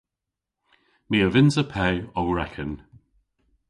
My a vynnsa pe ow reken.